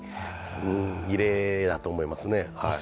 異例だと思いますね。